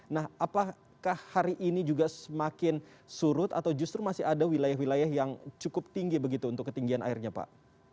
nah apakah hari ini juga semakin surut atau justru masih ada wilayah wilayah yang cukup tinggi begitu untuk ketinggian airnya pak